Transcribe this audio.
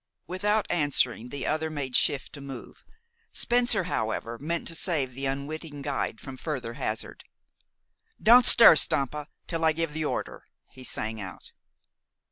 Without answering, the other made shift to move. Spencer, however, meant to save the unwitting guide from further hazard. "Don't stir, Stampa, till I give the order!" he sang out.